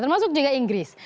termasuk juga inggris